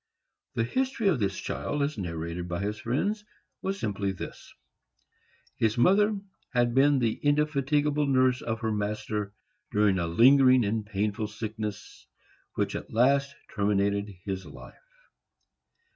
The history of this child, as narrated by his friends, was simply this: His mother had been the indefatigable nurse of her master, during a lingering and painful sickness, which at last terminated his life.